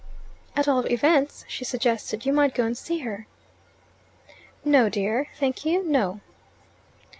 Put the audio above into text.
"At all events," she suggested, "you might go and see her." "No, dear. Thank you, no."